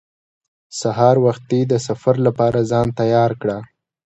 سهار وختي د سفر لپاره ځان تیار کړ.